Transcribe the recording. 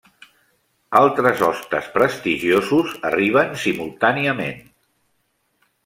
Altres hostes prestigiosos arriben simultàniament.